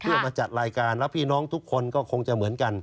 เพื่อมาจัดรายการแล้วพี่น้องทุกคนก็คงจะเหมือนกัน